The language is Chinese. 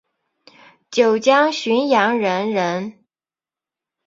九江浔阳人人。